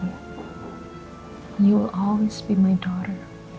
kamu akan selalu jadi anakku